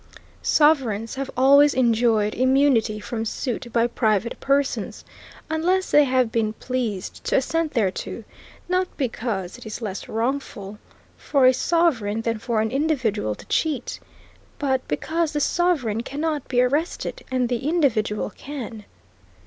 Sovereigns have always enjoyed immunity from suit by private persons, unless they have been pleased to assent thereto, not because it is less wrongful for a sovereign than for an individual to cheat, but because the sovereign cannot be arrested and the individual can.